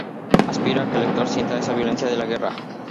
Aspira a que el lector sienta esa violencia de la guerra.